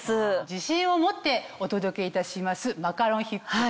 自信を持ってお届けいたします。